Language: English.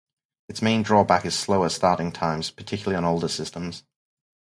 Its main drawback is slower starting times, particularly on older systems.